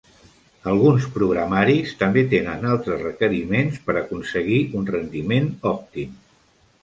Alguns programaris també tenen altres requeriments per aconseguir un rendiment òptim.